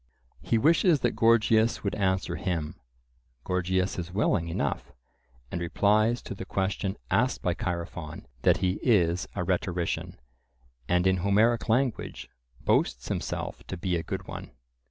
He wishes that Gorgias would answer him. Gorgias is willing enough, and replies to the question asked by Chaerephon,—that he is a rhetorician, and in Homeric language, "boasts himself to be a good one."